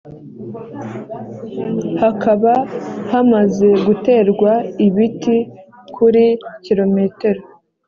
hakaba hamaze guterwa ibiti kuri km